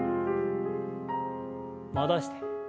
戻して。